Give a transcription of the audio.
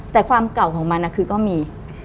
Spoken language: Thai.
แต่ความเก่าของมันคือก็มี